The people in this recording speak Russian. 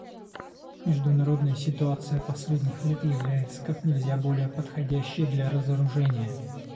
Международная ситуация последних лет является как нельзя более подходящей для разоружения.